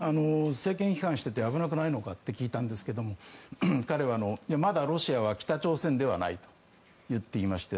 政権批判していて危なくないのかと聞いたんですが彼はまだロシアは北朝鮮ではないと言っていました。